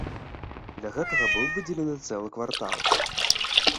Для гэтага быў выдзелены цэлы квартал.